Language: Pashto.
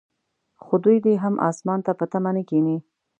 خو دوی دې هم اسمان ته په تمه نه کښیني.